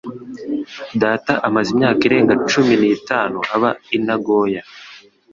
Data amaze imyaka irenga cumi n'itanu aba i Nagoya.